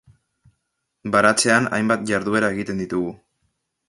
Baratzean hainbat jarduera egiten ditugu.